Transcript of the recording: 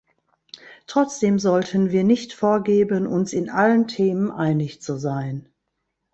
Trotzdem sollten wir nicht vorgeben, uns in allen Themen einig zu sein.